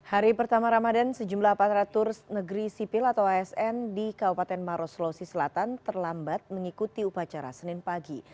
hari pertama ramadan sejumlah aparatur negeri sipil atau asn di kabupaten maros sulawesi selatan terlambat mengikuti upacara senin pagi